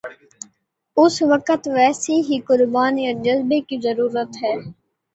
اس وقت ویسی ہی قربانی اور جذبے کی ضرورت ہے